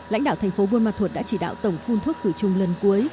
lãnh đạo thành phố buôn ma thuột đã chỉ đạo tổng phun thuốc khử trùng lần cuối